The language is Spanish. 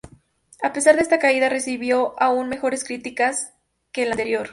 A pesar de esta caída, recibió aún mejores críticas que el anterior.